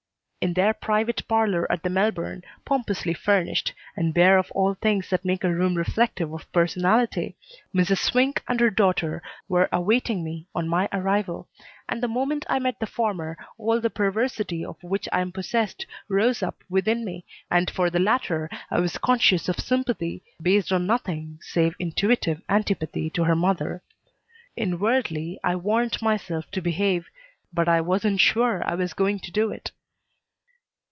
In their private parlor at the Melbourne, pompously furnished, and bare of all things that make a room reflective of personality, Mrs. Swink and her daughter were awaiting me on my arrival, and the moment I met the former all the perversity of which I am possessed rose up within me, and for the latter I was conscious of sympathy, based on nothing save intuitive antipathy to her mother. Inwardly I warned myself to behave, but I wasn't sure I was going to do it.